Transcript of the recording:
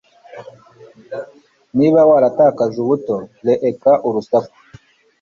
niba waratakaje ubuto, reeka urusaku